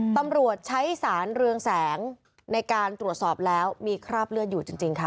ตำรวจใช้สารเรืองแสงในการตรวจสอบแล้วมีคราบเลือดอยู่จริงค่ะ